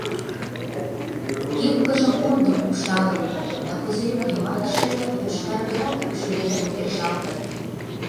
Кепкыжым комдык упшалын да козырёк йымачше йошкаргырак ӱпшӧ лектын кержалтын.